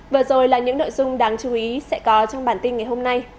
vừa rồi là những nội dung đáng chú ý sẽ có trong bản tin ngày hôm nay